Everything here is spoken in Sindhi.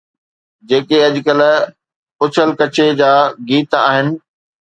جيڪي اڄڪلهه اڇل ڪڇي جا گيت آهن.